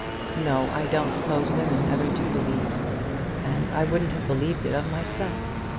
"No; I don't suppose women ever do believe. And I wouldn't have believed it of myself.